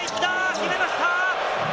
決めました！